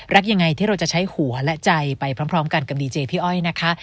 รักยังไงที่เราจะใช้หัวและใจไปพร้อมกันกับดีเจพี่อ้อยนะคะ